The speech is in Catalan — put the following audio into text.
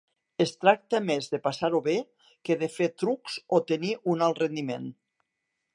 Es tracta més de passar-ho bé que de fer trucs o tenir un alt rendiment.